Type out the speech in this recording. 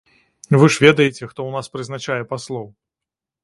Вы ж ведаеце, хто ў нас прызначае паслоў!